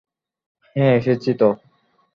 হ্যাঁ, এসেছি, তো?